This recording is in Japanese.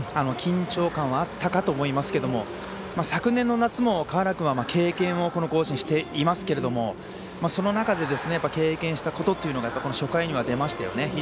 緊張感はあったかと思いますが昨年の夏も川原君は経験をしていますけれどもその中で、やっぱり経験したことっていうのが初回に出ましたよね。